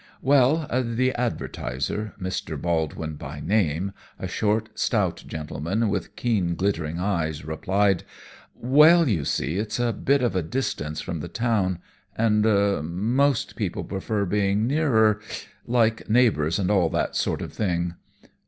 "Well," the advertiser Mr. Baldwin by name, a short, stout gentleman, with keen, glittering eyes replied, "Well, you see, it's a bit of a distance from the town, and er most people prefer being nearer like neighbours and all that sort of thing."